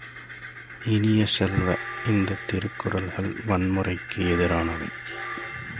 இனிய செல்வ, இந்த திருக்குறள்கள் வன்முறைக்கு எதிரானவை!